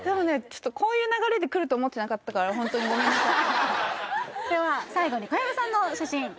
ちょっとこういう流れでくると思ってなかったからホントにごめんなさいでは最後に小籔さんの写真